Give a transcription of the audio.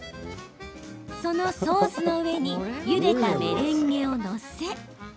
そのソースの上にゆでたメレンゲを載せ